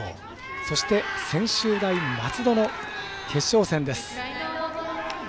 そして、専修大松戸の決勝戦です。